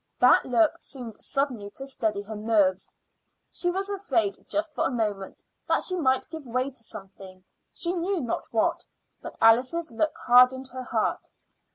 That look seemed suddenly to steady her nerves. She was afraid just for a moment that she might give way to something, she knew not what, but Alice's look hardened her heart.